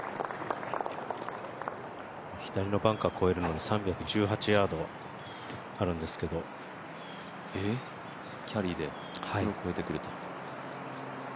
左のバンカー越えるのに３１５ヤードあるんですけど、キャリーで越えてくると。